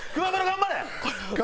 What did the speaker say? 頑張れ！